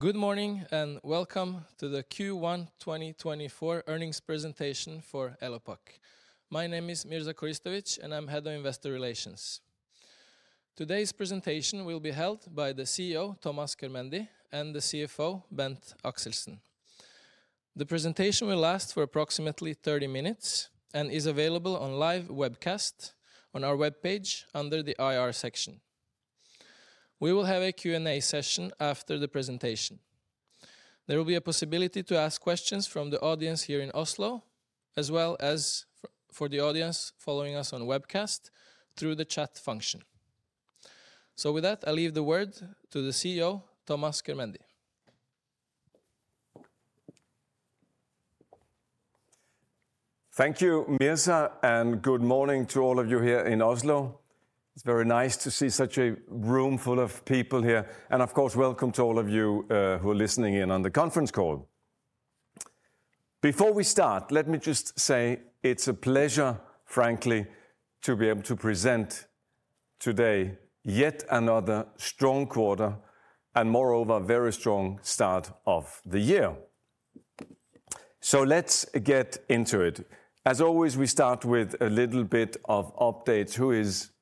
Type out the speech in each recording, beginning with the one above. Good morning, and welcome to the Q1 2024 earnings presentation for Elopak. My name is Mirza Koristovic, and I'm Head of Investor Relations. Today's presentation will be held by the CEO, Thomas Körmendi, and the CFO, Bent Axelsen. The presentation will last for approximately 30 minutes and is available on live webcast on our webpage under the IR section. We will have a Q&A session after the presentation. There will be a possibility to ask questions from the audience here in Oslo, as well as for the audience following us on webcast through the chat function. So with that, I leave the word to the CEO, Thomas Körmendi. Thank you, Mirza, and good morning to all of you here in Oslo. It's very nice to see such a room full of people here, and of course, welcome to all of you who are listening in on the conference call. Before we start, let me just say it's a pleasure, frankly, to be able to present today yet another strong quarter and moreover, a very strong start of the year. So let's get into it. As always, we start with a little bit of updates. Who is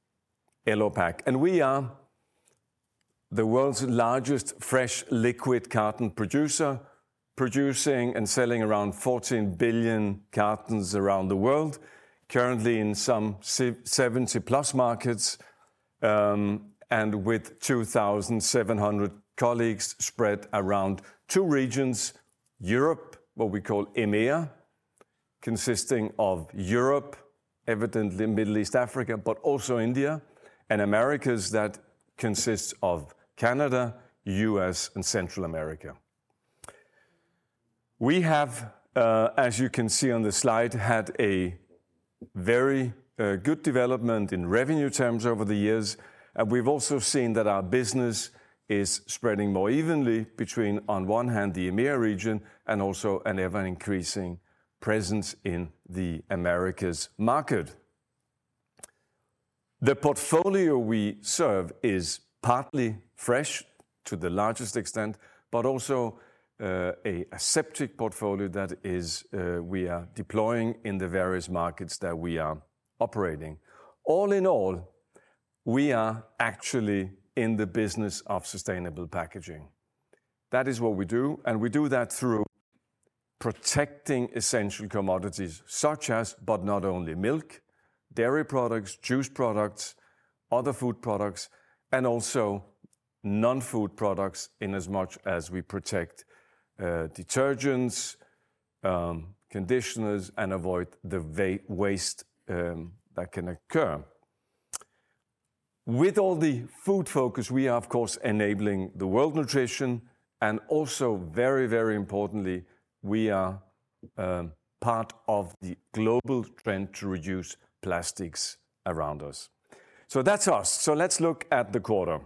Elopak? We are the world's largest fresh liquid carton producer, producing and selling around 14 billion cartons around the world, currently in some 70+ markets, and with 2,700 colleagues spread around two regions: Europe, what we call EMEA, consisting of Europe, evidently Middle East, Africa, but also India, and Americas, that consists of Canada, U.S., and Central America. We have, as you can see on the slide, had a very good development in revenue terms over the years, and we've also seen that our business is spreading more evenly between, on one hand, the EMEA region and also an ever-increasing presence in the Americas market. The portfolio we serve is partly fresh to the largest extent, but also a aseptic portfolio that is, we are deploying in the various markets that we are operating. All in all, we are actually in the business of sustainable packaging. That is what we do, and we do that through protecting essential commodities such as, but not only milk, dairy products, juice products, other food products, and also non-food products, inasmuch as we protect detergents, conditioners, and avoid the waste that can occur. With all the food focus, we are of course enabling the world nutrition, and also very, very importantly, we are part of the global trend to reduce plastics around us. So that's us. So let's look at the quarter.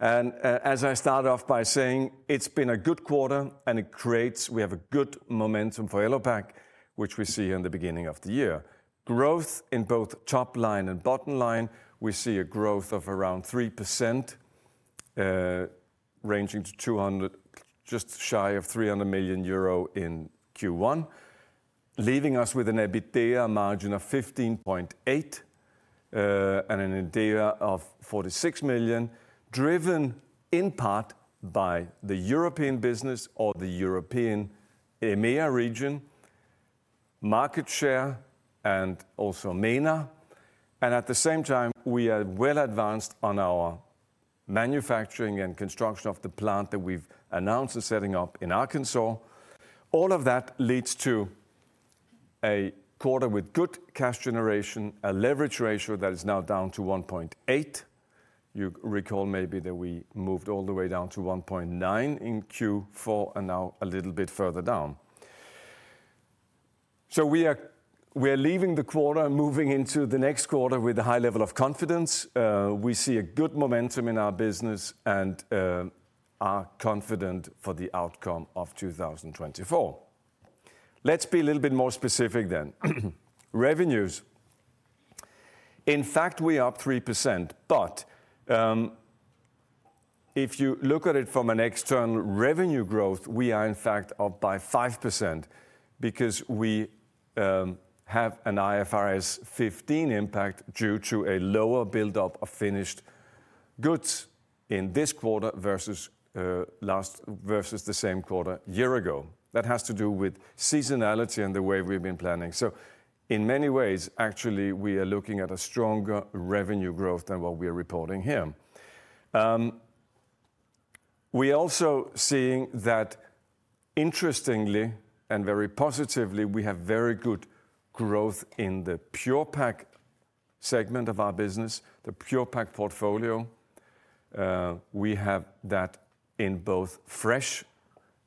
As I start off by saying, it's been a good quarter and it creates, we have a good momentum for Elopak, which we see in the beginning of the year. Growth in both top line and bottom line, we see a growth of around 3%, ranging to 200, just shy of 300 million euro in Q1, leaving us with an EBITDA margin of 15.8%, and an EBITDA of 46 million, driven in part by the European business or the European EMEA region, market share, and also MENA. And at the same time, we are well advanced on our manufacturing and construction of the plant that we've announced of setting up in Arkansas. All of that leads to a quarter with good cash generation, a leverage ratio that is now down to 1.8x. You recall maybe that we moved all the way down to 1.9x in Q4, and now a little bit further down. So we are, we're leaving the quarter and moving into the next quarter with a high level of confidence. We see a good momentum in our business and are confident for the outcome of 2024. Let's be a little bit more specific then. Revenues. In fact, we are up 3%, but if you look at it from an external revenue growth, we are in fact up by 5% because we have an IFRS 15 impact due to a lower buildup of finished goods in this quarter versus the same quarter a year ago. That has to do with seasonality and the way we've been planning. So in many ways, actually, we are looking at a stronger revenue growth than what we are reporting here. We also seeing that interestingly and very positively, we have very good growth in the Pure-Pak segment of our business, the Pure-Pak portfolio. We have that in both fresh.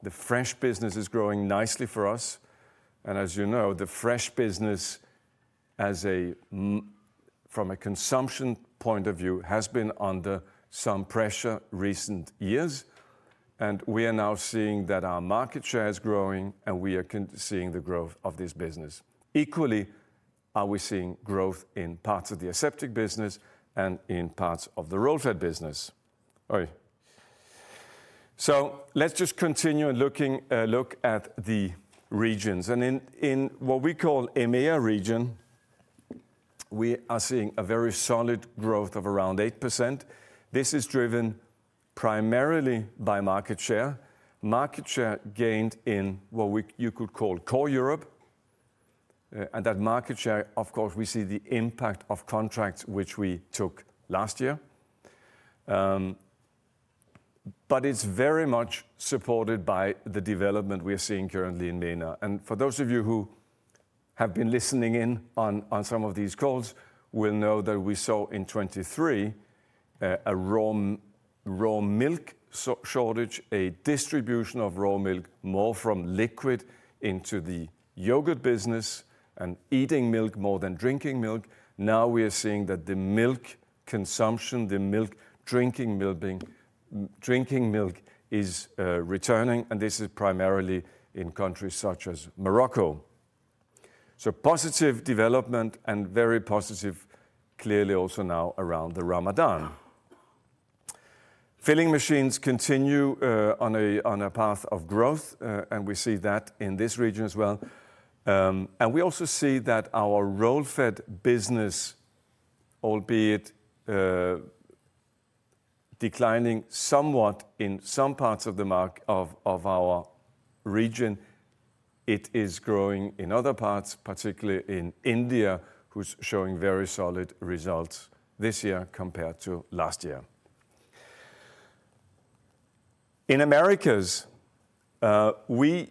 The fresh business is growing nicely for us, and as you know, the fresh business as a from a consumption point of view, has been under some pressure recent years, and we are now seeing that our market share is growing, and we are seeing the growth of this business. Are we seeing growth in parts of the aseptic business and in parts of the Roll Fed business? So let's just continue looking, look at the regions. In what we call EMEA region, we are seeing a very solid growth of around 8%. This is driven primarily by market share. Market share gained in what we you could call core Europe, and that market share, of course, we see the impact of contracts which we took last year. But it's very much supported by the development we are seeing currently in MENA. And for those of you who have been listening in on some of these calls, will know that we saw in 2023, a raw milk shortage, a distribution of raw milk, more from liquid into the yogurt business and eating milk more than drinking milk. Now, we are seeing that the milk consumption, the milk drinking milk is returning, and this is primarily in countries such as Morocco. So positive development and very positive, clearly also now around the Ramadan. Filling machines continue on a path of growth, and we see that in this region as well. And we also see that our Roll Fed business, albeit declining somewhat in some parts of the market of our region, it is growing in other parts, particularly in India, who's showing very solid results this year compared to last year. In Americas, we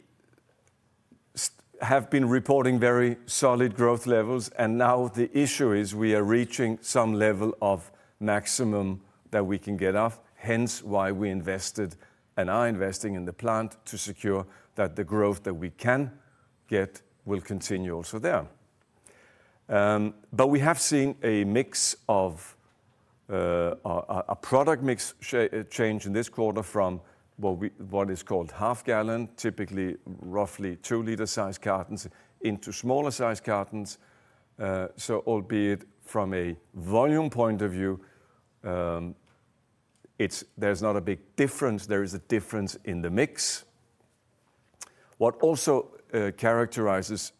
have been reporting very solid growth levels, and now the issue is we are reaching some level of maximum that we can get of, hence why we invested and are investing in the plant to secure that the growth that we can get will continue also there. But we have seen a mix of a product mix change in this quarter from what is called half-gallon, typically roughly 2-L-sized cartons into smaller size cartons. So albeit from a volume point of view, it's, there's not a big difference. There is a difference in the mix. What also characterizes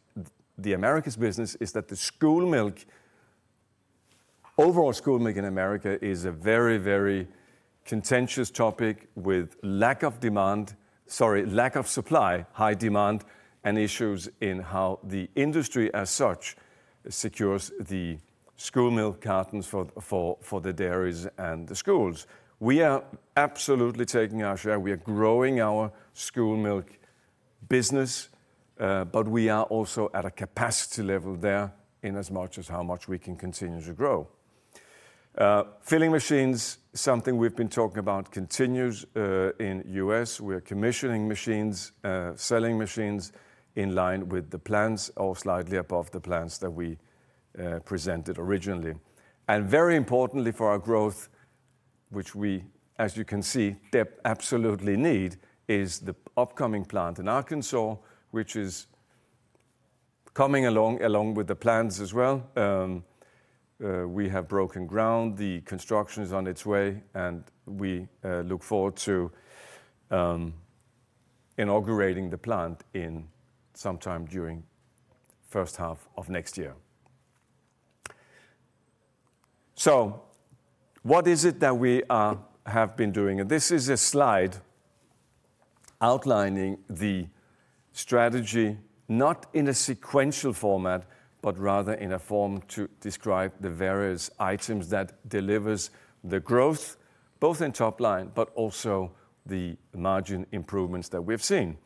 the Americas business is that the school milk. Overall, school milk in America is a very, very contentious topic with lack of demand, sorry, lack of supply, high demand, and issues in how the industry as such secures the school milk cartons for the dairies and the schools. We are absolutely taking our share. We are growing our school milk business, but we are also at a capacity level there in as much as how much we can continue to grow. Filling machines, something we've been talking about, continues in U.S. We are commissioning machines, selling machines in line with the plans or slightly above the plans that we presented originally. And very importantly for our growth, which we, as you can see, that absolutely need, is the upcoming plant in Arkansas, which is coming along with the plans as well. We have broken ground, the construction is on its way, and we look forward to inaugurating the plant sometime during first half of next year. So what is it that we have been doing? And this is a slide outlining the strategy, not in a sequential format, but rather in a form to describe the various items that delivers the growth, both in top line, but also the margin improvements that we've seen.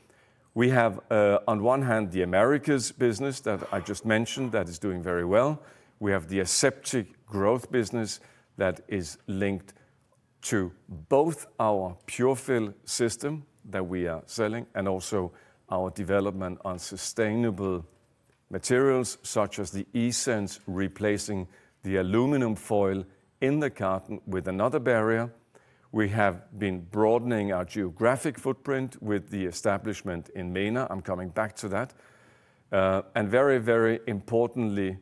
We have, on one hand, the Americas business that I just mentioned, that is doing very well. We have the aseptic growth business that is linked to both our Pure-Fill system that we are selling and also our development on sustainable materials, such as the eSense, replacing the aluminum foil in the carton with another barrier. We have been broadening our geographic footprint with the establishment in MENA. I'm coming back to that. And very, very importantly,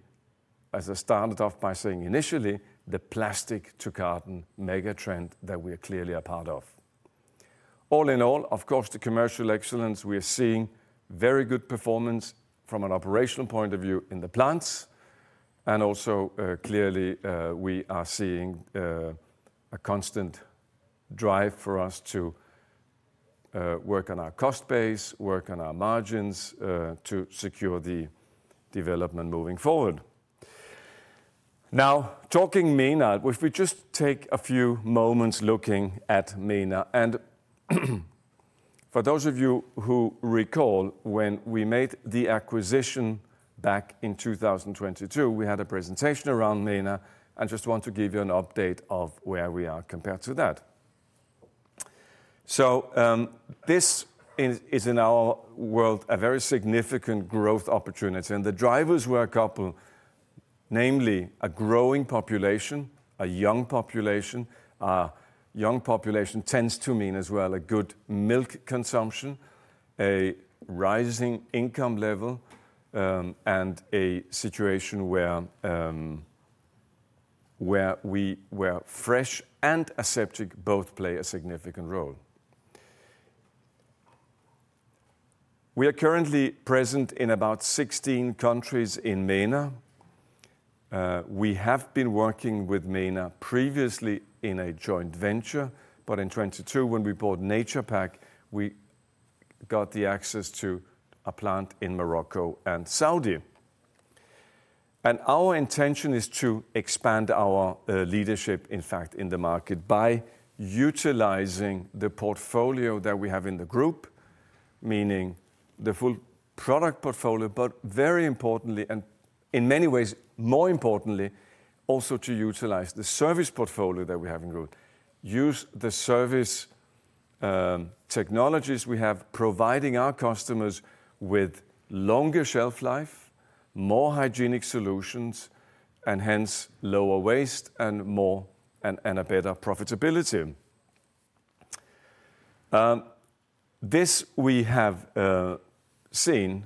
as I started off by saying initially, the plastic-to-carton mega trend that we are clearly a part of. All in all, of course, the commercial excellence, we are seeing very good performance from an operational point of view in the plants, and also, clearly, we are seeing a constant drive for us to work on our cost base, work on our margins, to secure the development moving forward. Now, talking MENA, if we just take a few moments looking at MENA, and for those of you who recall, when we made the acquisition back in 2022, we had a presentation around MENA. I just want to give you an update of where we are compared to that. So, this is in our world a very significant growth opportunity, and the drivers were namely a growing population, a young population. Young population tends to mean as well a good milk consumption, a rising income level, and a situation where fresh and aseptic both play a significant role. We are currently present in about 16 countries in MENA. We have been working with MENA previously in a joint venture, but in 2022, when we bought NaturePak, we got the access to a plant in Morocco and Saudi. And our intention is to expand our leadership, in fact, in the market, by utilizing the portfolio that we have in the group, meaning the full product portfolio, but very importantly, and in many ways, more importantly, also to utilize the service portfolio that we have in group. Use the service, technologies we have, providing our customers with longer shelf life, more hygienic solutions, and hence, lower waste and a better profitability. This we have seen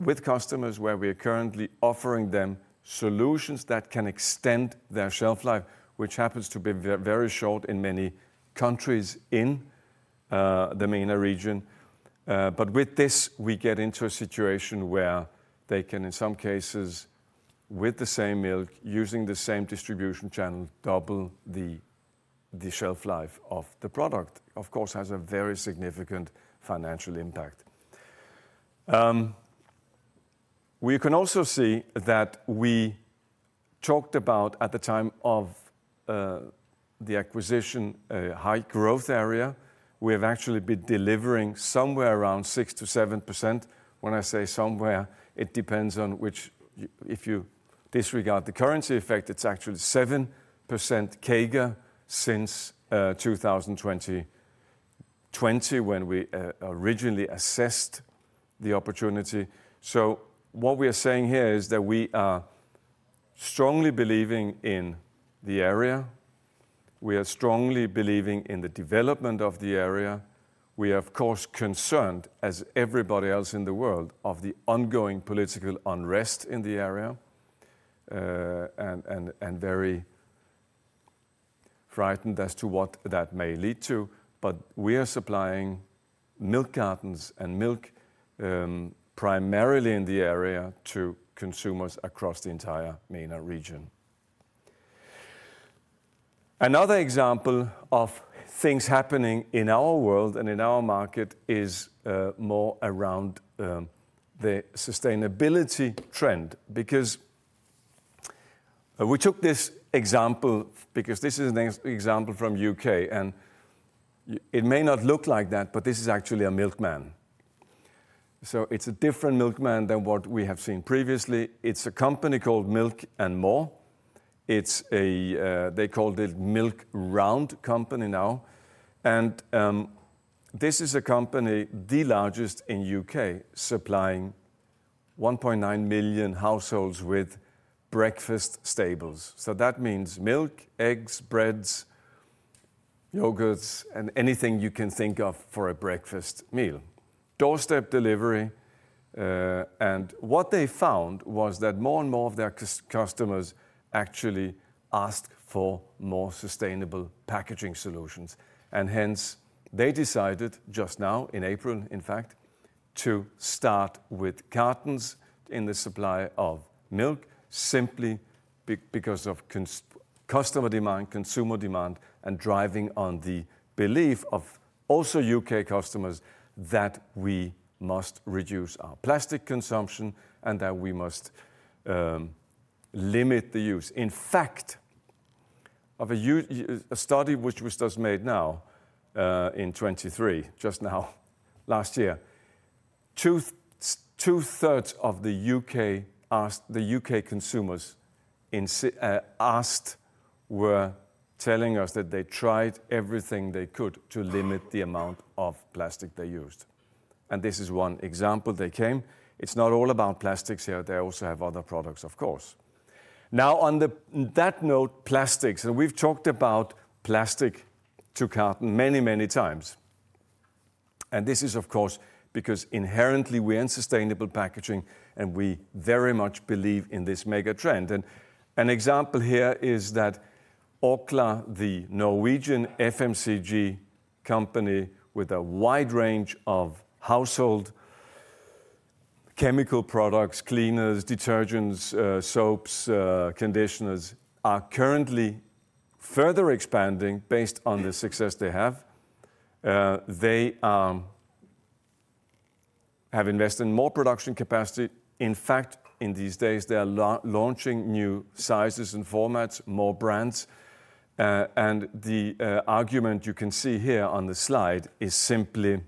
with customers where we are currently offering them solutions that can extend their shelf life, which happens to be very short in many countries in the MENA region. But with this, we get into a situation where they can, in some cases, with the same milk, using the same distribution channel, double the shelf life of the product. Of course, has a very significant financial impact. We can also see that we talked about, at the time of the acquisition, a high growth area. We have actually been delivering somewhere around 6%-7%. When I say somewhere, it depends on which—if you disregard the currency effect, it's actually 7% CAGR since 2020, when we originally assessed the opportunity. So what we are saying here is that we are strongly believing in the area, we are strongly believing in the development of the area. We are, of course, concerned, as everybody else in the world, of the ongoing political unrest in the area, and very frightened as to what that may lead to. But we are supplying milk cartons and milk primarily in the area, to consumers across the entire MENA region. Another example of things happening in our world and in our market is more around the sustainability trend. Because. We took this example, because this is an example from U.K., and it may not look like that, but this is actually a milkman. So it's a different milkman than what we have seen previously. It's a company called Milk & More. It's a, they called it Milk Round company now. And, this is a company, the largest in U.K., supplying 1.9 million households with breakfast staples. So that means milk, eggs, breads, yogurts, and anything you can think of for a breakfast meal. Doorstep delivery, and what they found was that more and more of their customers actually asked for more sustainable packaging solutions, and hence, they decided just now, in April, in fact, to start with cartons in the supply of milk, simply because of customer demand, consumer demand, and driving on the belief of also U.K. customers, that we must reduce our plastic consumption, and that we must limit the use. In fact, a study which was just made now, in 2023, just now, last year, two thirds of the U.K. consumers were telling us that they tried everything they could to limit the amount of plastic they used. And this is one example. They came. It's not all about plastics here, they also have other products, of course. Now, on that note, plastics, and we've talked about plastic to carton many, many times. And this is, of course, because inherently we're in sustainable packaging, and we very much believe in this mega trend. And an example here is that Orkla, the Norwegian FMCG company with a wide range of household chemical products, cleaners, detergents, soaps, conditioners, are currently further expanding based on the success they have. They have invested in more production capacity. In fact, in these days, they are launching new sizes and formats, more brands. And the argument you can see here on the slide is simply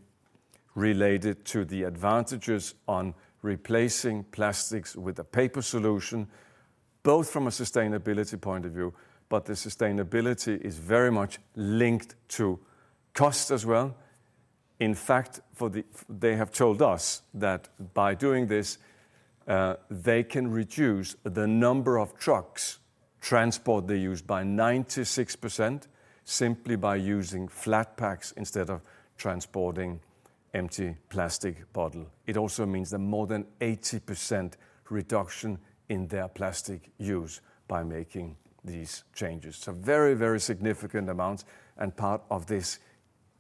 related to the advantages on replacing plastics with a paper solution, both from a sustainability point of view, but the sustainability is very much linked to cost as well. In fact, for the f— they have told us that by doing this, they can reduce the number of trucks transport they use by 96% simply by using flat packs instead of transporting empty plastic bottle. It also means that more than 80% reduction in their plastic use by making these changes. So very, very significant amounts, and part of this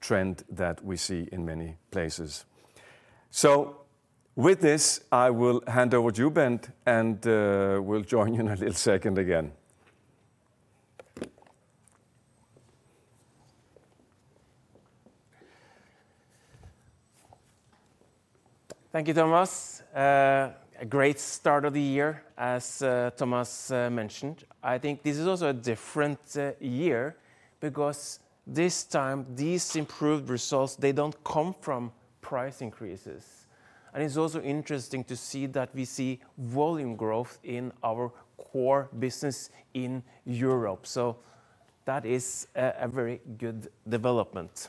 trend that we see in many places. So with this, I will hand over to you, Bent, and we'll join you in a little second again. Thank you, Thomas. A great start of the year, as Thomas mentioned. I think this is also a different year, because this time, these improved results, they don't come from price increases. It's also interesting to see that we see volume growth in our core business in Europe. That is a very good development.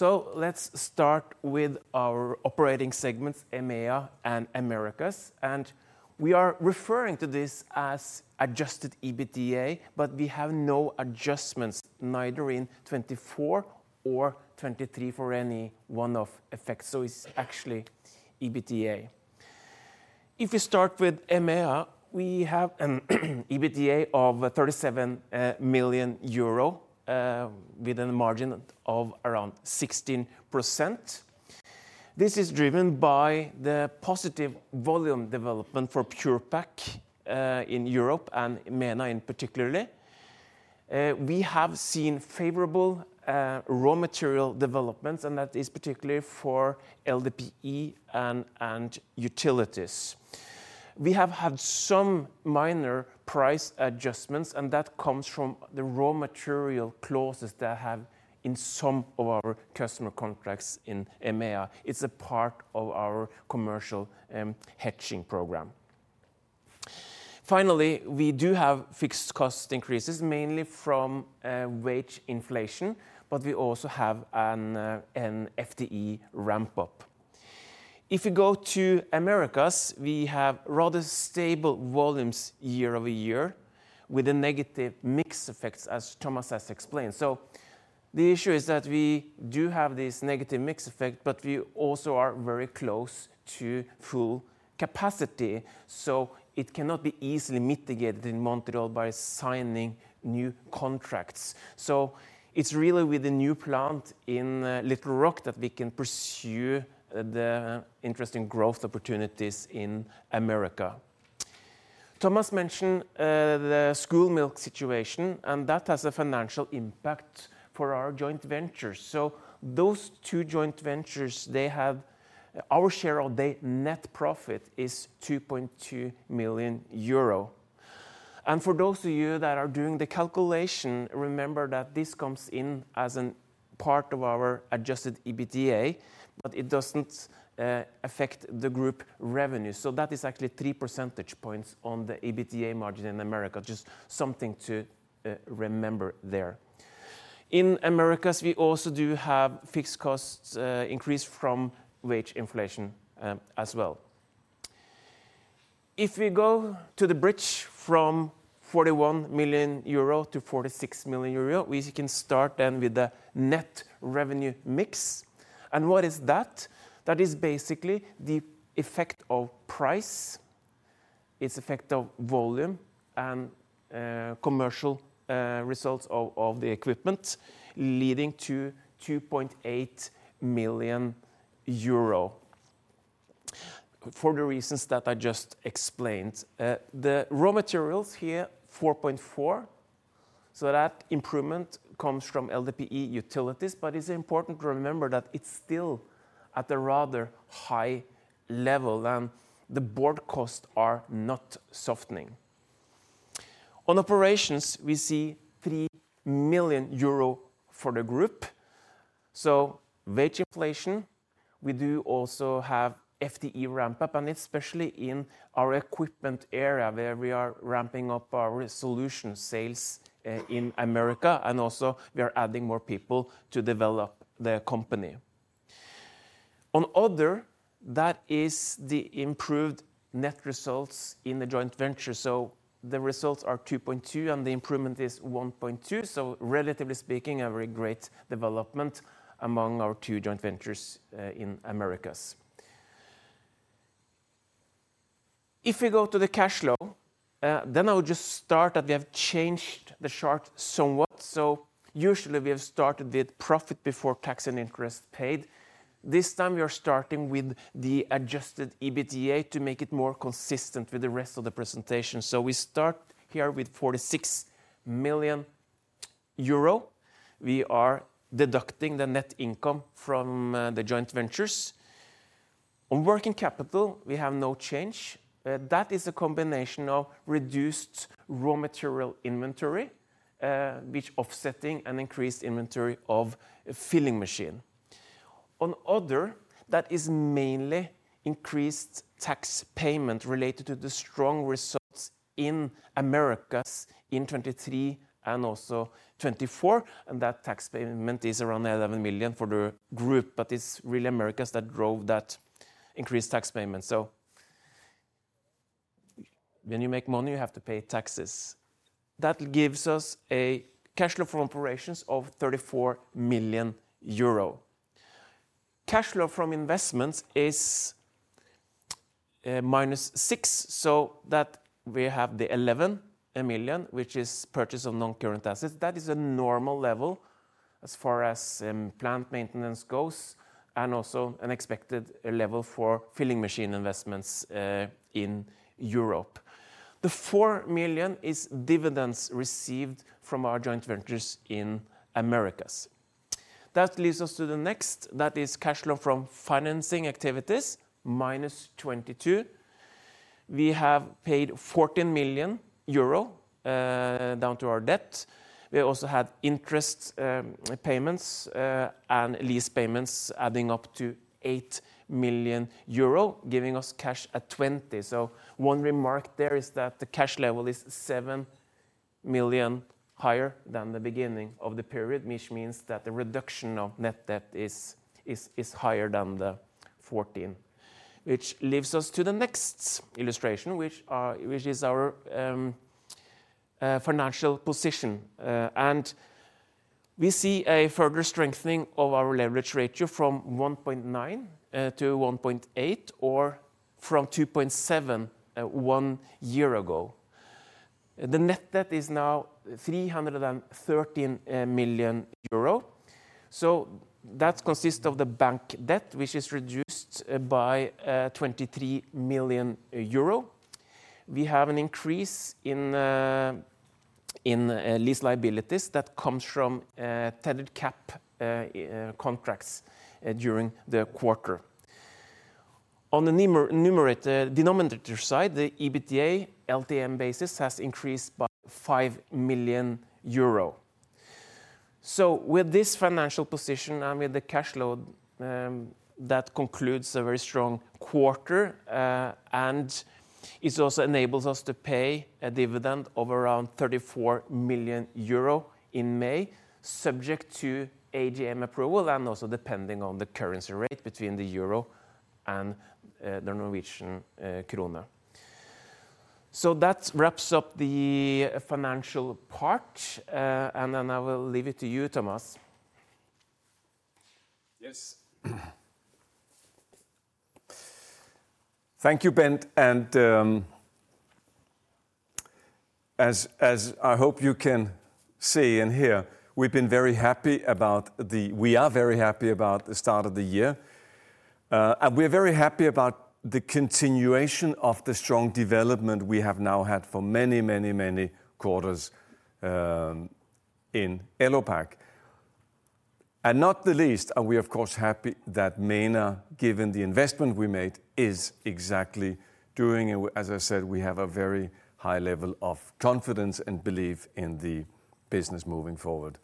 Let's start with our operating segments, EMEA and Americas, and we are referring to this as adjusted EBITDA, but we have no adjustments, neither in 2024 or 2023 for any one-off effects, so it's actually EBITDA. If you start with EMEA, we have an EBITDA of 37 million euro with a margin of around 16%. This is driven by the positive volume development for Pure-Pak in Europe and MENA in particular. We have seen favorable raw material developments, and that is particularly for LDPE and utilities. We have had some minor price adjustments, and that comes from the raw material clauses that have in some of our customer contracts in EMEA. It's a part of our commercial hedging program. Finally, we do have fixed cost increases, mainly from wage inflation, but we also have an FTE ramp up. If you go to Americas, we have rather stable volumes year-over-year, with a negative mix effects, as Thomas has explained. So the issue is that we do have this negative mix effect, but we also are very close to full capacity, so it cannot be easily mitigated in Montreal by signing new contracts. So it's really with the new plant in Little Rock that we can pursue the interesting growth opportunities in America. Thomas mentioned the school milk situation, and that has a financial impact for our joint ventures. So those two joint ventures, they have—our share of their net profit is 2.2 million euro. And for those of you that are doing the calculation, remember that this comes in as a part of our adjusted EBITDA, but it doesn't affect the group revenue. So that is actually 3 percentage points on the EBITDA margin in Americas. Just something to remember there. In Americas, we also do have fixed costs increase from wage inflation, as well. If we go to the bridge from 41 million euro to 46 million euro, we can start then with the net revenue mix. And what is that? That is basically the effect of price, its effect of volume, and commercial results of the equipment, leading to 2.8 million euro, for the reasons that I just explained. The raw materials here, 4.4 million, so that improvement comes from LDPE utilities, but it is important to remember that it is still at a rather high level, and the board costs are not softening. On operations, we see 3 million euro for the group, so wage inflation, we do also have FTE ramp-up, and especially in our equipment area, where we are ramping up our solution sales in America, and also we are adding more people to develop the company. On Other, that is the improved net results in the joint venture, so the results are 2.2 million, and the improvement is 1.2 million, so relatively speaking, a very great development among our two joint ventures in Americas. If we go to the cash flow, then I'll just start that we have changed the chart somewhat. So usually we have started with profit before tax and interest paid. This time, we are starting with the adjusted EBITDA to make it more consistent with the rest of the presentation. So we start here with 46 million euro. We are deducting the net income from the joint ventures. On working capital, we have no change. That is a combination of reduced raw material inventory, which offsetting an increased inventory of filling machine. On Other, that is mainly increased tax payment related to the strong results in Americas in 2023 and also 2024, and that tax payment is around 11 million for the group, but it's really Americas that drove that increased tax payment. When you make money, you have to pay taxes. That gives us a cash flow from operations of 34 million euro. Cash flow from investments is -6 million, so that we have the -11 million, which is purchase of non-current assets. That is a normal level as far as plant maintenance goes, and also an expected level for filling machine investments in Europe. The 4 million is dividends received from our joint ventures in Americas. That leads us to the next, that is cash flow from financing activities, -22 million. We have paid 14 million euro down to our debt. We also had interest payments and lease payments adding up to 8 million euro, giving us cash at 20 million. So one remark there is that the cash level is 7 million higher than the beginning of the period, which means that the reduction of net debt is higher than the 14 million. Which leaves us to the next illustration, which is our financial position. And we see a further strengthening of our leverage ratio from 1.9x to 1.8x, or from 2.7x one year ago. The net debt is now 313 million euro. So that consists of the bank debt, which is reduced by 23 million euro. We have an increase in lease liabilities that comes from tenant cap contracts during the quarter. On the numerator denominator side, the EBITDA, LTM basis, has increased by 5 million euro. So with this financial position and with the cash flow, that concludes a very strong quarter, and it also enables us to pay a dividend of around 34 million euro in May, subject to AGM approval and also depending on the currency rate between the euro and the Norwegian krone. So that wraps up the financial part, and then I will leave it to you, Thomas. Yes. Thank you, Bent, and, as I hope you can see and hear, we've been very happy about the—we are very happy about the start of the year. And we're very happy about the continuation of the strong development we have now had for many, many, many quarters, in Elopak. And not the least, are we, of course, happy that MENA, given the investment we made, is exactly doing. As I said, we have a very high level of confidence and belief in the business moving forward.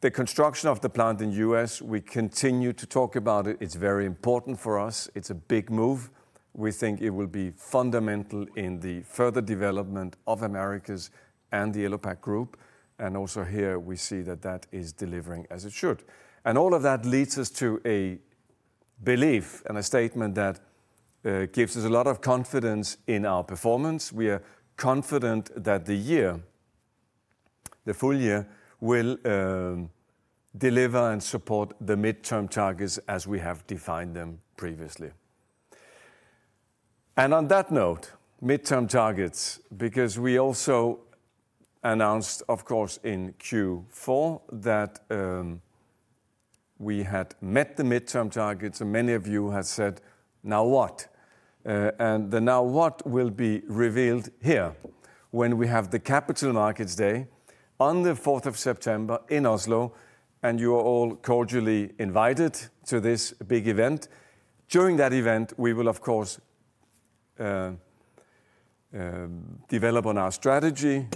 The construction of the plant in U.S., we continue to talk about it. It's very important for us. It's a big move. We think it will be fundamental in the further development of Americas and the Elopak group, and also here we see that that is delivering as it should. All of that leads us to a belief and a statement that gives us a lot of confidence in our performance. We are confident that the year, the full year, will deliver and support the midterm targets as we have defined them previously. On that note, midterm targets, because we also announced, of course, in Q4, that we had met the midterm targets, and many of you had said, "Now what?" And the "now what" will be revealed here when we have the Capital Markets Day on the fourth of September in Oslo, and you are all cordially invited to this big event. During that event, we will, of course, develop on our strategy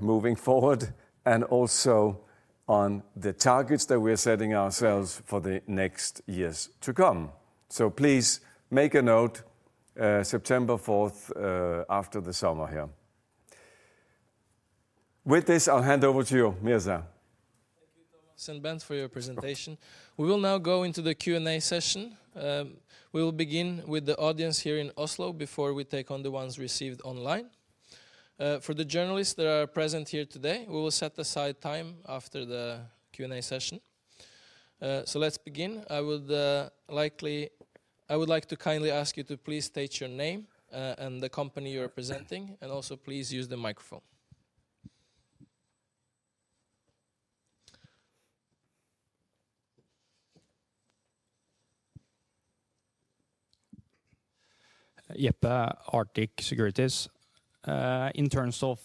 moving forward, and also on the targets that we're setting ourselves for the next years to come. So please make a note, September fourth, after the summer here. With this, I'll hand over to you, Mirza. Thank you, Thomas and Bent, for your presentation. We will now go into the Q&A session. We will begin with the audience here in Oslo before we take on the ones received online. For the journalists that are present here today, we will set aside time after the Q&A session. Let's begin. I would like to kindly ask you to please state your name, and the company you're representing, and also please use the microphone. Jeppe, Arctic Securities. In terms of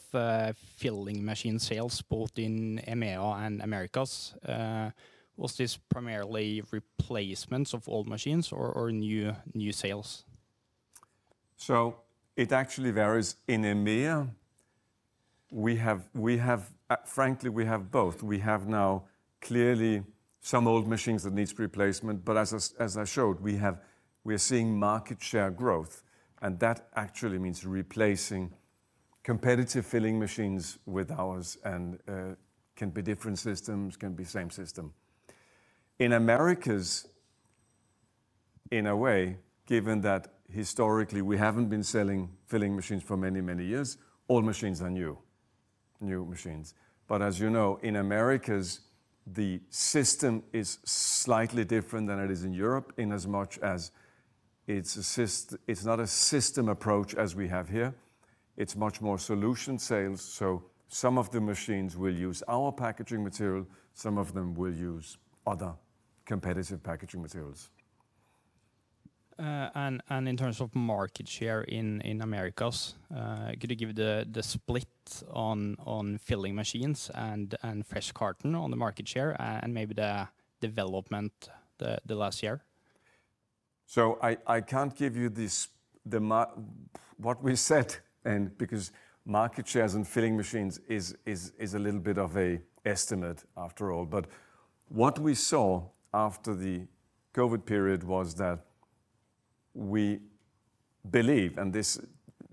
filling machine sales, both in EMEA and Americas, was this primarily replacements of old machines or new sales? So it actually varies. In EMEA, we have frankly, we have both. We have now clearly some old machines that needs replacement, but as I showed, we are seeing market share growth, and that actually means replacing competitive filling machines with ours, and can be different systems, can be same system. In Americas, in a way, given that historically we haven't been selling filling machines for many, many years, all machines are new machines. But as you know, in Americas, the system is slightly different than it is in Europe, in as much as it's not a system approach as we have here, it's much more solution sales, so some of the machines will use our packaging material, some of them will use other competitive packaging materials. In terms of market share in Americas, could you give the split on filling machines and fresh carton on the market share, and maybe the development the last year? So I can't give you the market shares and filling machines; it's a little bit of an estimate after all. But what we saw after the COVID period was that we believe, and this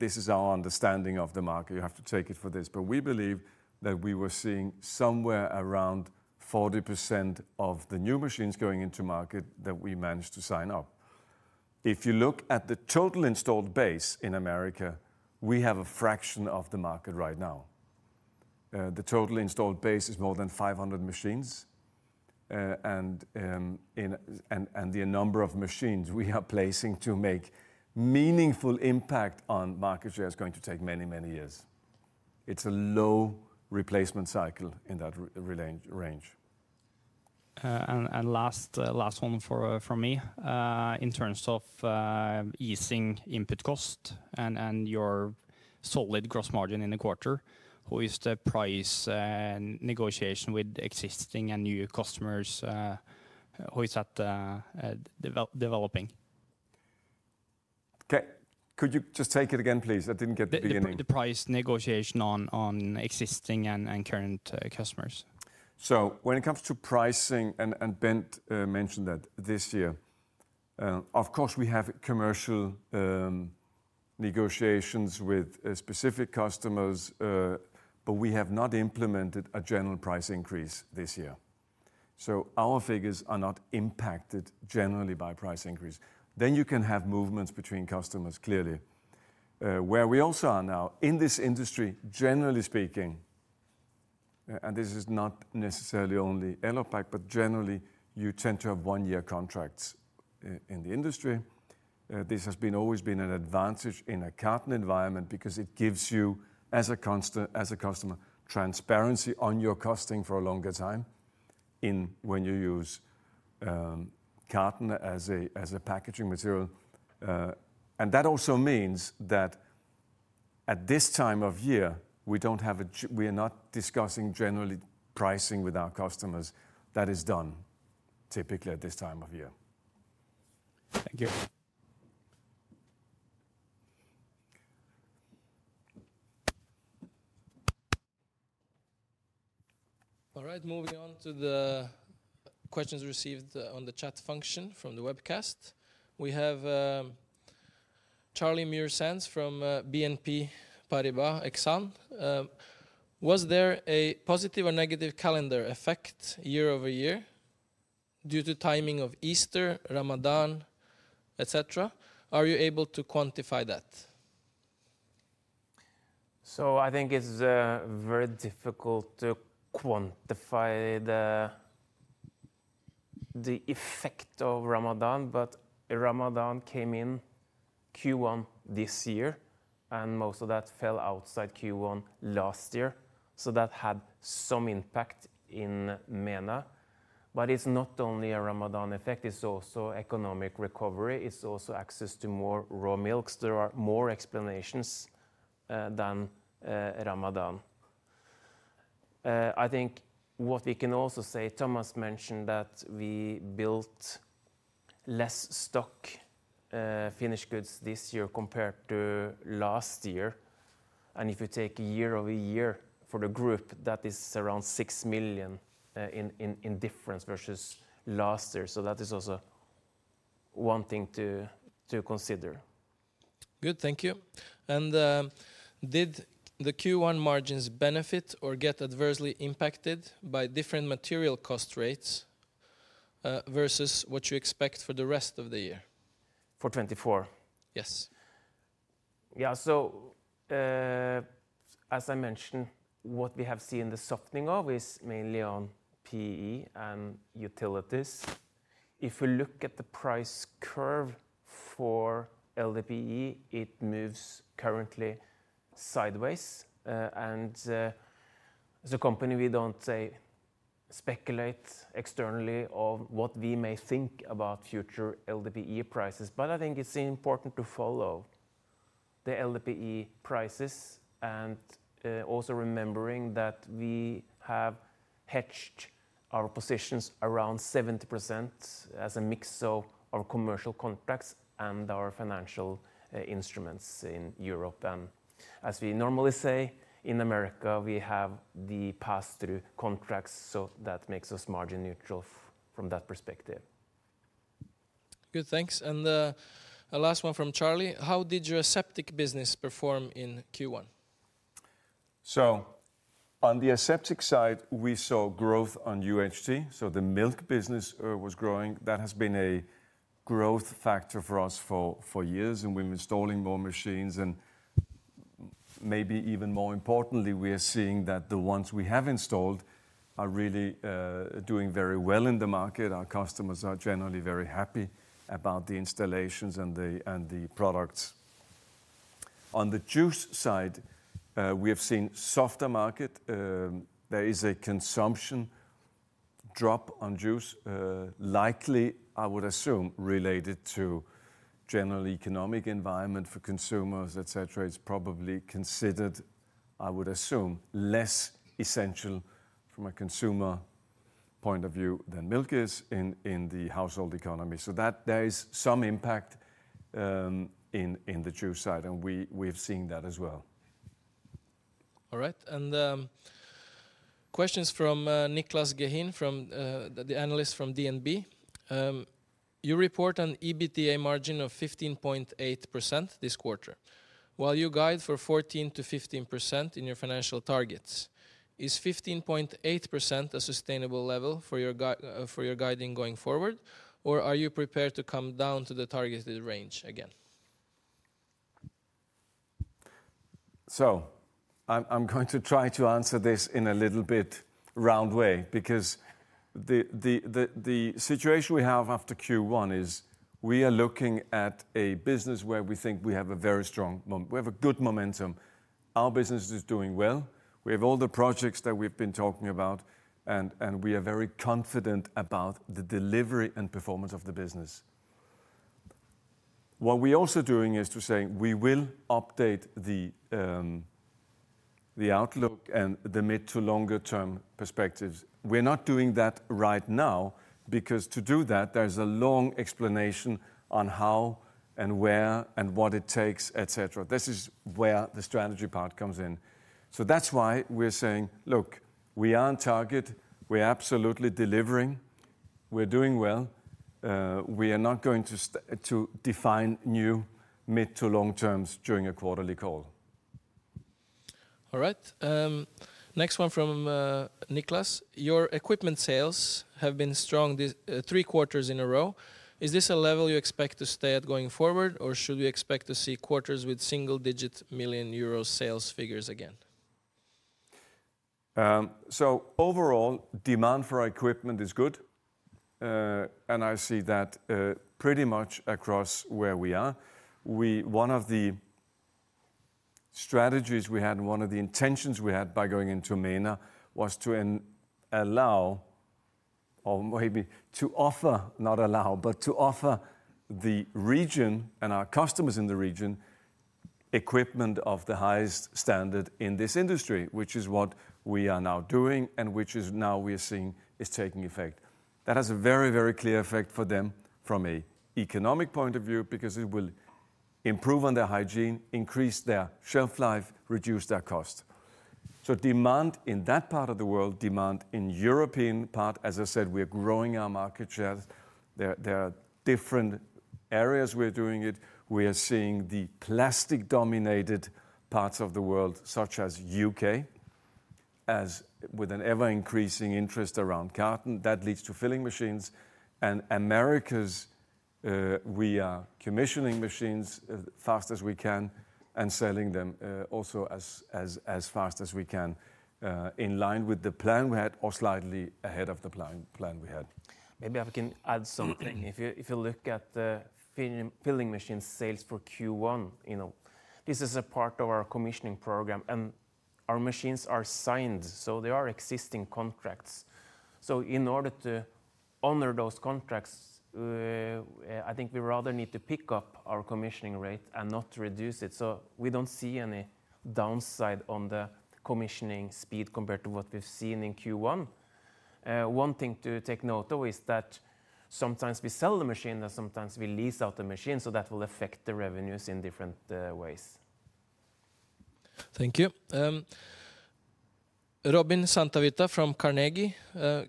is our understanding of the market, you have to take it for this, but we believe that we were seeing somewhere around 40% of the new machines going into market that we managed to sign up. If you look at the total installed base in America, we have a fraction of the market right now. The total installed base is more than 500 machines, and the number of machines we are placing to make meaningful impact on market share is going to take many, many years. It's a low replacement cycle in that range. Last one from me. In terms of easing input cost and your solid gross margin in the quarter, how is the price negotiation with existing and new customers developing? Okay. Could you just take it again, please? I didn't get the beginning. The price negotiation on existing and current customers. So when it comes to pricing, and Bent mentioned that this year, of course, we have commercial negotiations with specific customers, but we have not implemented a general price increase this year. So our figures are not impacted generally by price increase. Then you can have movements between customers, clearly. Where we also are now, in this industry, generally speaking, and this is not necessarily only Elopak, but generally, you tend to have one-year contracts in the industry. This has always been an advantage in a carton environment because it gives you, as a customer, transparency on your costing for a longer time when you use carton as a packaging material. And that also means that at this time of year, we are not discussing generally pricing with our customers. That is done typically at this time of year. Thank you. All right, moving on to the questions received on the chat function from the webcast. We have, Charlie Muir-Sands from, BNP Paribas Exane. Was there a positive or negative calendar effect year-over-year due to timing of Easter, Ramadan, et cetera? Are you able to quantify that? So I think it's very difficult to quantify the effect of Ramadan, but Ramadan came in Q1 this year, and most of that fell outside Q1 last year, so that had some impact in MENA. But it's not only a Ramadan effect, it's also economic recovery, it's also access to more raw milks. There are more explanations than Ramadan. I think what we can also say, Thomas mentioned that we built less stock, finished goods this year compared to last year, and if you take year-over-year for the group, that is around 6 million in difference versus last year. So that is also one thing to consider. Good, thank you. Did the Q1 margins benefit or get adversely impacted by different material cost rates, versus what you expect for the rest of the year? For 2024? Yes. Yeah. So, as I mentioned, what we have seen the softening of is mainly on PE and utilities. If you look at the price curve for LDPE, it moves currently sideways. And, as a company, we don't speculate externally on what we may think about future LDPE prices, but I think it's important to follow the LDPE prices and, also remembering that we have hedged our positions around 70% as a mix of our commercial contracts and our financial instruments in Europe. And as we normally say, in America, we have the pass-through contracts, so that makes us margin-neutral from that perspective. Good, thanks. And, the last one from Charlie: How did your aseptic business perform in Q1? So on the aseptic side, we saw growth on UHT, so the milk business was growing. That has been a growth factor for us for years, and we've been installing more machines. And maybe even more importantly, we are seeing that the ones we have installed are really doing very well in the market. Our customers are generally very happy about the installations and the products. On the juice side, we have seen softer market. There is a consumption drop on juice, likely, I would assume, related to general economic environment for consumers, et cetera. It's probably considered, I would assume, less essential from a consumer point of view than milk is in the household economy. So that there is some impact in the juice side, and we've seen that as well. All right. Questions from Niclas Gehin, the analyst from DNB. You report an EBITDA margin of 15.8% this quarter, while you guide for 14%-15% in your financial targets. Is 15.8% a sustainable level for your guiding going forward, or are you prepared to come down to the targeted range again? So I'm going to try to answer this in a little bit roundabout way, because the situation we have after Q1 is we are looking at a business where we think we have a very strong momentum. We have a good momentum. Our business is doing well. We have all the projects that we've been talking about, and we are very confident about the delivery and performance of the business. What we're also doing is to say we will update the outlook and the mid- to longer-term perspectives. We're not doing that right now, because to do that, there's a long explanation on how and where and what it takes, et cetera. This is where the strategy part comes in. So that's why we're saying, "Look, we are on target. We're absolutely delivering. We're doing well. We are not going to define new mid- to long-term terms during a quarterly call. All right. Next one from Niclas. Your equipment sales have been strong this three quarters in a row. Is this a level you expect to stay at going forward, or should we expect to see quarters with single-digit million EUR sales figures again? So overall, demand for our equipment is good, and I see that pretty much across where we are. One of the strategies we had, and one of the intentions we had by going into MENA, was to allow, or maybe to offer, not allow, but to offer the region and our customers in the region, equipment of the highest standard in this industry, which is what we are now doing and which is now we are seeing is taking effect. That has a very, very clear effect for them from a economic point of view, because it will improve on their hygiene, increase their shelf life, reduce their cost. So demand in that part of the world, demand in European part, as I said, we're growing our market share. There, there are different areas we're doing it. We are seeing the plastic-dominated parts of the world, such as U.K., as with an ever-increasing interest around carton, that leads to filling machines. Americas, we are commissioning machines as fast as we can and selling them, also as fast as we can, in line with the plan we had or slightly ahead of the plan we had. Maybe I can add something. If you look at the filling machine sales for Q1, you know, this is a part of our commissioning program, and our machines are signed, so there are existing contracts. So in order to honor those contracts, I think we rather need to pick up our commissioning rate and not reduce it. So we don't see any downside on the commissioning speed compared to what we've seen in Q1. One thing to take note, though, is that sometimes we sell the machine and sometimes we lease out the machine, so that will affect the revenues in different ways. Thank you. Robin Santavirta from Carnegie.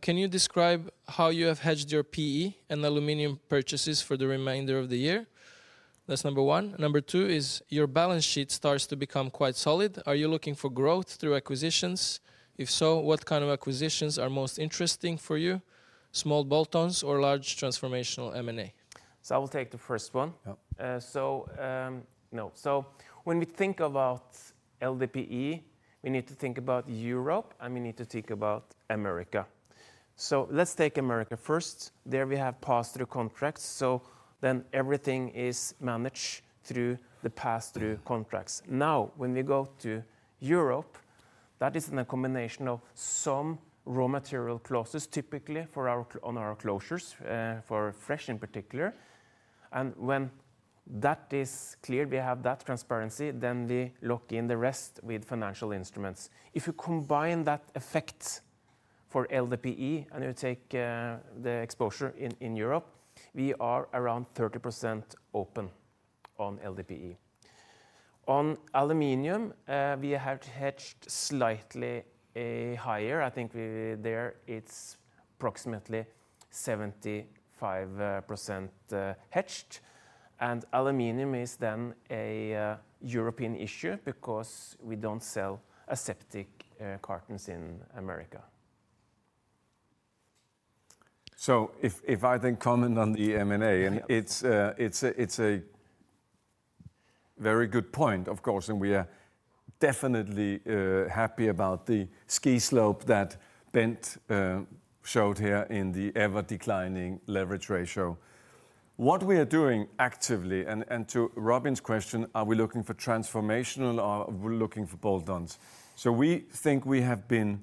Can you describe how you have hedged your PE and aluminum purchases for the remainder of the year? That's number one. Number two is, your balance sheet starts to become quite solid. Are you looking for growth through acquisitions? If so, what kind of acquisitions are most interesting for you, small bolt-ons or large transformational M&A? I will take the first one. Yeah. When we think about LDPE, we need to think about Europe, and we need to think about America. Let's take America first. There, we have pass-through contracts, so then everything is managed through the pass-through contracts. Now, when we go to Europe, that is in a combination of some raw material clauses, typically for our on our closures, for fresh in particular. And when that is clear, we have that transparency, then we lock in the rest with financial instruments. If you combine that effect for LDPE and you take the exposure in, in Europe, we are around 30% open on LDPE. On aluminum, we have hedged slightly higher. I think there it's approximately 75% hedged. And aluminum is then a European issue because we don't sell aseptic cartons in America. So if I then comment on the M&A- Yeah. And it's a very good point, of course, and we are definitely happy about the ski slope that Bent showed here in the ever-declining leverage ratio. What we are doing actively, and to Robin's question, are we looking for transformational or are we looking for bolt-ons? So we think we have been.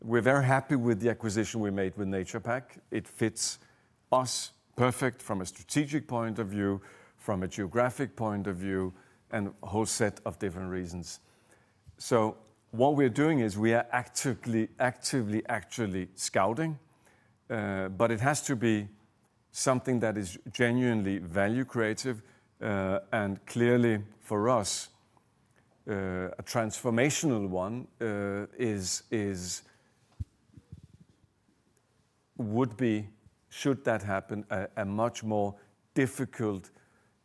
We're very happy with the acquisition we made with NaturePak. It fits us perfect from a strategic point of view, from a geographic point of view, and a whole set of different reasons. So what we're doing is we are actively actually scouting, but it has to be something that is genuinely value creative. And clearly for us, a transformational one is, would be, should that happen, a much more difficult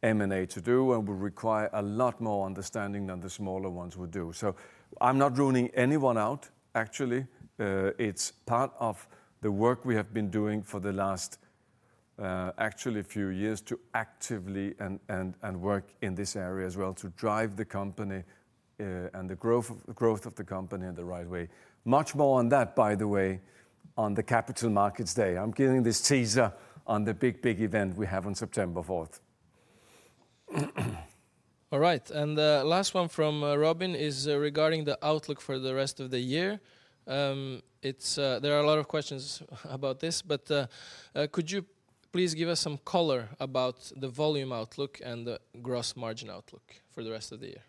M&A to do and would require a lot more understanding than the smaller ones would do. So I'm not ruling anyone out, actually. It's part of the work we have been doing for the last, actually few years to actively and work in this area as well, to drive the company, and the growth of the company in the right way. Much more on that, by the way, on the Capital Markets Day. I'm giving this teaser on the big event we have on September 4th. All right, and the last one from Robin is regarding the outlook for the rest of the year. It's there are a lot of questions about this, but could you please give us some color about the volume outlook and the gross margin outlook for the rest of the year?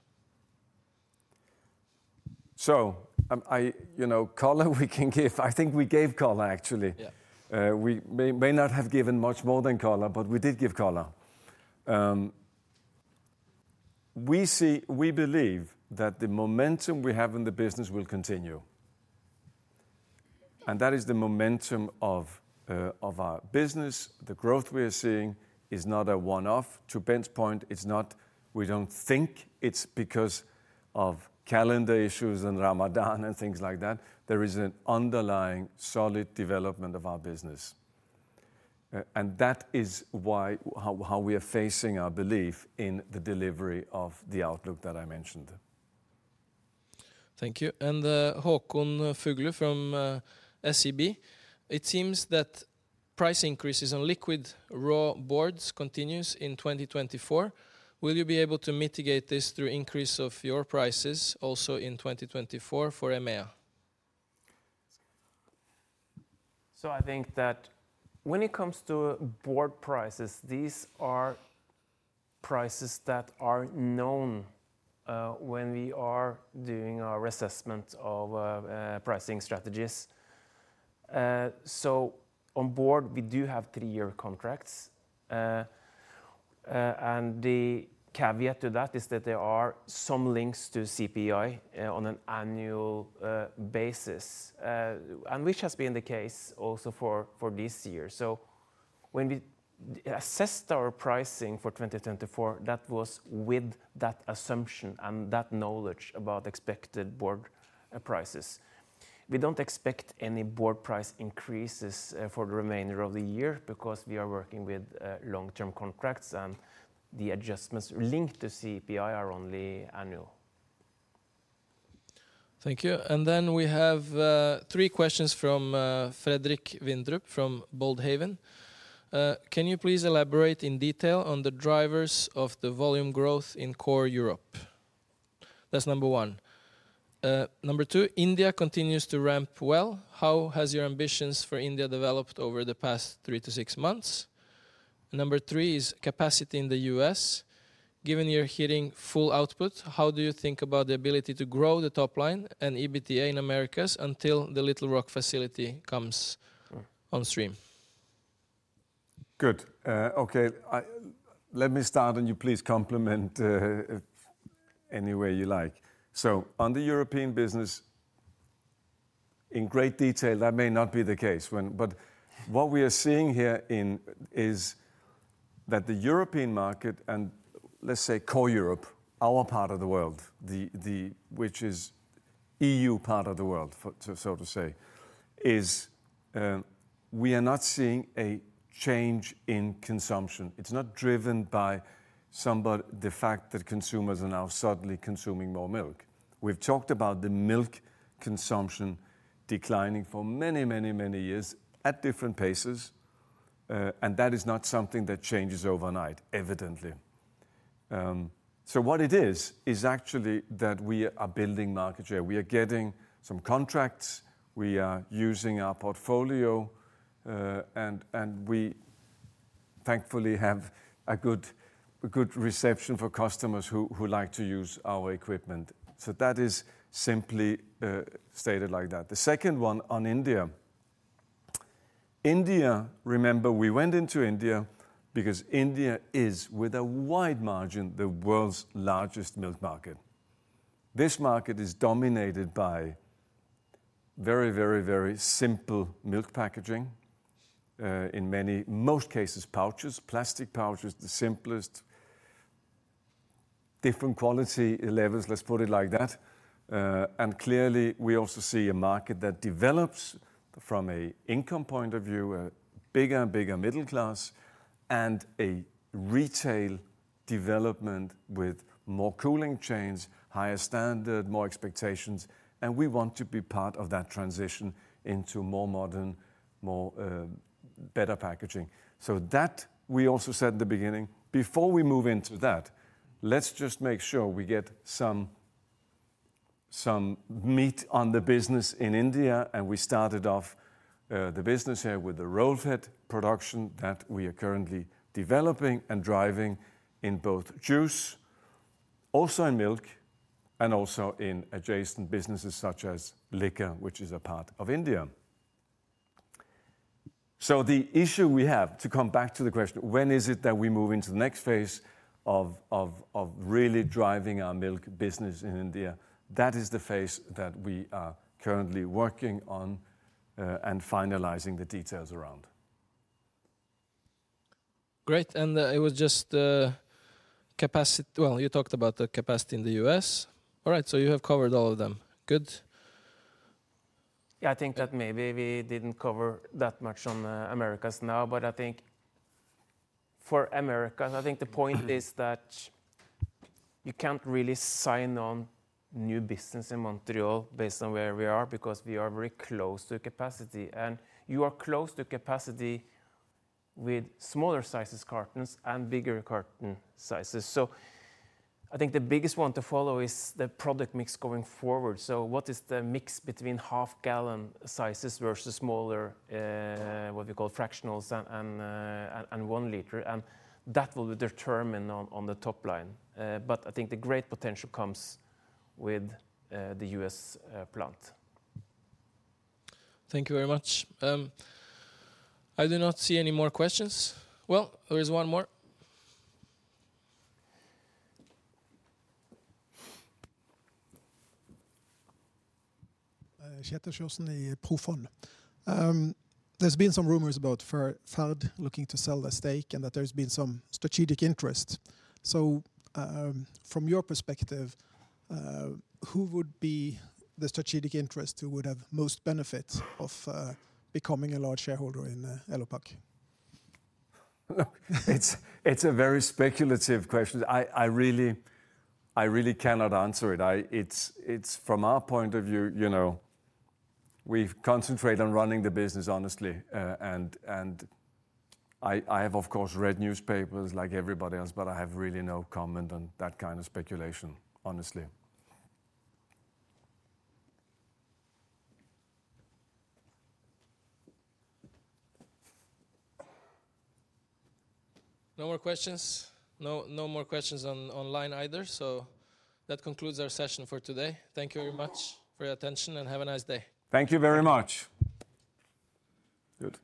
You know, color we can give. I think we gave color, actually. Yeah. We may not have given much more than color, but we did give color. We see, we believe that the momentum we have in the business will continue, and that is the momentum of our business. The growth we are seeing is not a one-off. To Bent's point, it's not, we don't think it's because of calendar issues and Ramadan and things like that. There is an underlying solid development of our business. And that is why, how we are facing our belief in the delivery of the outlook that I mentioned. Thank you. Håkon Fuglu from SEB, it seems that price increases on liquid raw boards continues in 2024. Will you be able to mitigate this through increase of your prices also in 2024 for EMEA? So I think that when it comes to board prices, these are prices that are known when we are doing our assessment of pricing strategies. So on board, we do have three-year contracts. And the caveat to that is that there are some links to CPI on an annual basis, and which has been the case also for this year. So when we assessed our pricing for 2024, that was with that assumption and that knowledge about expected board prices. We don't expect any board price increases for the remainder of the year, because we are working with long-term contracts, and the adjustments linked to CPI are only annual. Thank you. And then we have three questions from Fredrik Windrup from Boldhaven. Can you please elaborate in detail on the drivers of the volume growth in core Europe? That's number one. Number two, India continues to ramp well. How has your ambitions for India developed over the past three to six months? Number three is capacity in the U.S. Given you're hitting full output, how do you think about the ability to grow the top line and EBITDA in Americas until the Little Rock facility comes on stream? Good. Okay, let me start, and you please complement any way you like. So on the European business, in great detail, that may not be the case whenb—ut what we are seeing here is that the European market, and let's say core Europe, our part of the world, the which is EU part of the world, for so to say, is we are not seeing a change in consumption. It's not driven by somebody—the fact that consumers are now suddenly consuming more milk. We've talked about the milk consumption declining for many, many, many years at different paces, and that is not something that changes overnight, evidently. So what it is is actually that we are building market share. We are getting some contracts, we are using our portfolio, and we thankfully have a good reception for customers who like to use our equipment. So that is simply stated like that. The second one on India. India, remember we went into India because India is, with a wide margin, the world's largest milk market. This market is dominated by very, very, very simple milk packaging, in many, most cases, pouches, plastic pouches, the simplest. Different quality levels, let's put it like that. And clearly, we also see a market that develops from an income point of view, a bigger and bigger middle class, and a retail development with more cooling chains, higher standard, more expectations, and we want to be part of that transition into more modern, more better packaging. So that we also said in the beginning, before we move into that, let's just make sure we get some meat on the business in India, and we started off the business here with the Roll Fed production that we are currently developing and driving in both juice, also in milk, and also in adjacent businesses such as liquor, which is a part of India. So the issue we have, to come back to the question, when is it that we move into the next phase of really driving our milk business in India? That is the phase that we are currently working on and finalizing the details around. Great, and, it was just, well, you talked about the capacity in the U.S. All right, so you have covered all of them. Good. Yeah, I think that maybe we didn't cover that much on Americas now, but I think for Americas, I think the point is that you can't really sign on new business in Montreal based on where we are, because we are very close to capacity. And you are close to capacity with smaller sizes cartons and bigger carton sizes. So I think the biggest one to follow is the product mix going forward. So what is the mix between half-gallon sizes versus smaller, what we call fractionals and 1-L? And that will determine on the top line. But I think the great potential comes with the U.S. plant. Thank you very much. I do not see any more questions. Well, there is one more. Kjetil Sjursen in Profond. There's been some rumors about Ferd looking to sell their stake and that there's been some strategic interest. So, from your perspective, who would be the strategic interest, who would have most benefit of becoming a large shareholder in Elopak? It's a very speculative question. I really cannot answer it. It's from our point of view, you know, we've concentrated on running the business honestly. And I have, of course, read newspapers like everybody else, but I have really no comment on that kind of speculation, honestly. No more questions? No, no more questions online either, so that concludes our session for today. Thank you very much for your attention, and have a nice day. Thank you very much. Good.